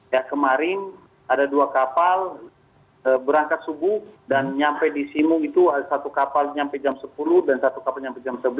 ya kemarin ada dua kapal berangkat subuh dan nyampe di simu itu satu kapal sampai jam sepuluh dan satu kapal sampai jam sebelas